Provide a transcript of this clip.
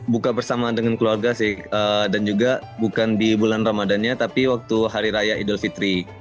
buka bersama dengan keluarga sih dan juga bukan di bulan ramadannya tapi waktu hari raya idul fitri